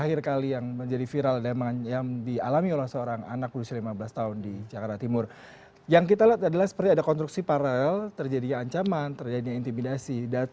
apa yang anda lihat dengan gejala sosial seperti ini